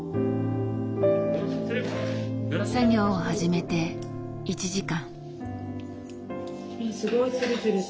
作業を始めて１時間。